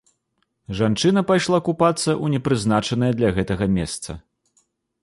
Жанчына пайшла купацца ў непрызначанае для гэтага месца.